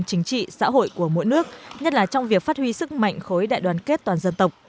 chính trị xã hội của mỗi nước nhất là trong việc phát huy sức mạnh khối đại đoàn kết toàn dân tộc